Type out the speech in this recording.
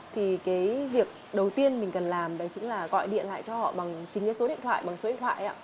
thì việc đầu tiên mình cần làm đó chính là gọi điện lại cho họ bằng số điện thoại